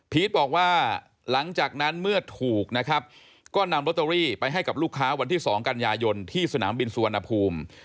บอกว่าหลังจากนั้นเมื่อถูกนะครับก็นำโรตเตอรี่ไปให้กับลูกค้าวันที่๒กันยายนที่สนามบินสุวรรณภูมิ